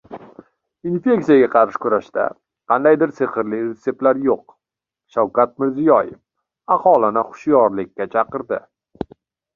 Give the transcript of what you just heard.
«Infeksiyaga qarshi kurashda qandaydir «sehrli retseptlar» yo‘q» - Shavkat Mirziyoyev aholini xushyorlikka chaqirdi